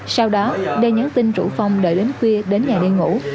sau đó đê nhắn tin rủ phong đợi đến khuya đến nhà đi ngủ